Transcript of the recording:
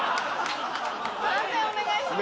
判定お願いします。